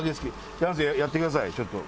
山内さんやってくださいちょっと。